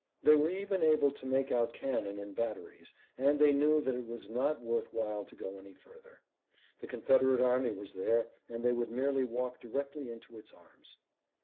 They were even able to make out cannon in batteries, and they knew that it was not worth while to go any further. The Confederate army was there, and they would merely walk directly into its arms.